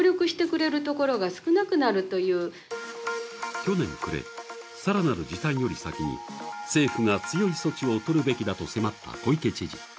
去年暮れ、更なる時短より先に政府が強い措置をとるべきだと迫った小池知事。